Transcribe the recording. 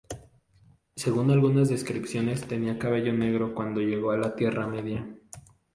Según algunas descripciones, tenía cabello negro cuando llegó a la Tierra Media.